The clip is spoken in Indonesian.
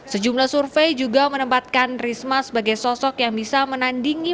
sejumlah survei juga menempatkan risma sebagai sosok yang bisa menandingi